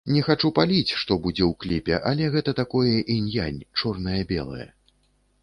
Не хачу паліць, што будзе ў кліпе, але гэта такое інь-янь, чорнае-белае.